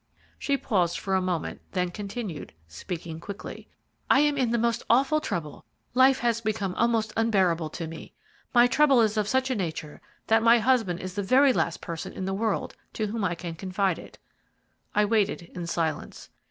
She paused for a moment, then continued, speaking quickly: "I am in the most awful trouble. Life has become almost unbearable to me. My trouble is of such a nature that my husband is the very last person in the world to whom I can confide it." I waited in silence.